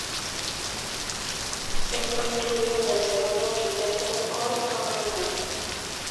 En fue incluido en el segundo quinteto All-American.